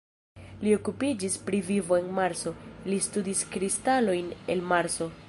Li okupiĝis pri vivo en Marso, li studis kristalojn el Marso.